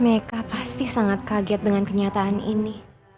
mereka pasti sangat kaget dengan kenyataan ini